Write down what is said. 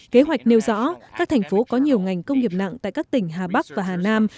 kế hoạch nêu rõ các thành phố có nhiều ngành công nghiệp nặng tại các tỉnh hà bắc và hà nam